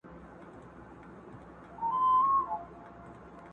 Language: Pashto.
کښتۍ هم ورڅخه ولاړه پر خپل لوري،